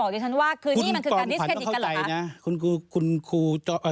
ก็ใช่ไงคุณจอมขวัญเข้าใจนะ